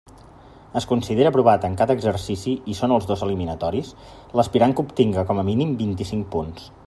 Es considera aprovat en cada exercici, i són els dos eliminatoris, l'aspirant que obtinga com a mínim vint-i-cinc punts.